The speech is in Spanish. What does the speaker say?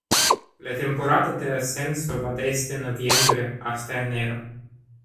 La temporada de ascenso va desde noviembre hasta enero.